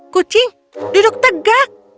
kucing duduk tegak